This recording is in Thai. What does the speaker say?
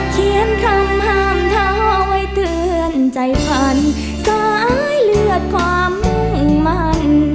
เขียนคำห่ามเทาให้เตือนใจพันธุ์สะอ้ายเลือดความมั่น